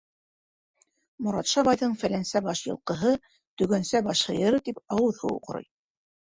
Моратша байҙың фәләнсә баш йылҡыһы, төгәнсә баш һыйыры, тип ауыҙ һыуы ҡорой.